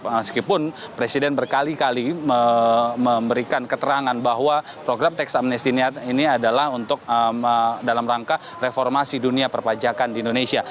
meskipun presiden berkali kali memberikan keterangan bahwa program teks amnesty niat ini adalah untuk dalam rangka reformasi dunia perpajakan di indonesia